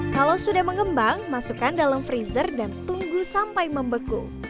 kalau sudah mengembang masukkan dalam freezer dan tunggu sampai membeku